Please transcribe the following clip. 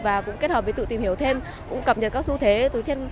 và cũng kết hợp với tự tìm hiểu thêm cũng cập nhật các xu thế trên